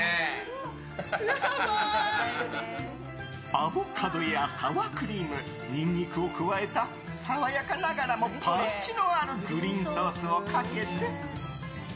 アボカドやサワークリームニンニクを加えた爽やかながらもパンチのあるグリーンソースをかけて。